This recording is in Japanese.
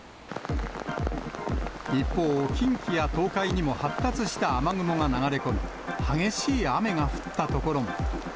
一方、近畿や東海にも発達した雨雲が流れ込み、激しい雨が降った所も。